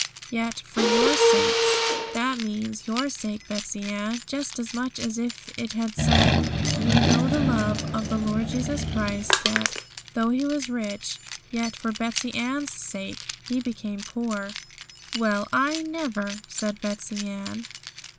"Yet for your sakes, " that means your sake, Betsey Ann, just as much as if it had said, "You know the love of the Lord Jesus Christ, that, though He was rich, yet for Betsey Ann's sake He became poor."' 'Well, I never!' said Betsey Ann.